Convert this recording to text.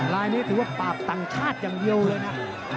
ลายนี้ถือว่าปราบต่างชาติอย่างเดียวเลยนะ